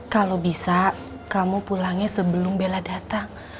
kalau bisa kamu pulangnya sebelum bella datang